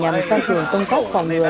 nhằm tăng cường công tác phòng ngừa